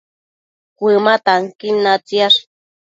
Cuëma tanquin natsiash